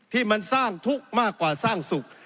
ที่มันสร้างทุกข์มากกว่าสร้างสุข